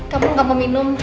kamu gak mau minum